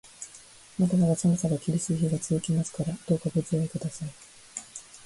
まだまだ寒さが厳しい日が続きますから、どうかご自愛ください。